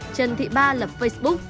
trần thị ba lập facebook